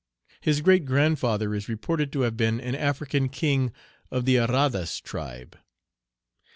His great grandfather is reported to have been an African king of the Arradas tribe.